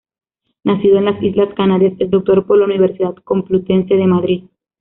Nacido en las islas Canarias, es doctor por la Universidad Complutense de Madrid.